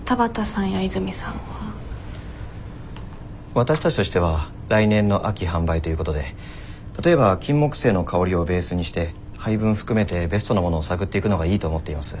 わたしたちとしては来年の秋販売ということで例えばキンモクセイの香りをベースにして配分含めてベストなものを探っていくのがいいと思っています。